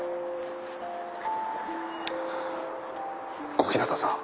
小日向さん。